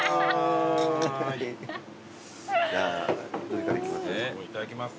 じゃどれからいきます？